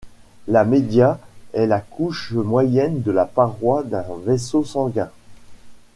La media est la couche moyenne de la paroi d'un vaisseau sanguin.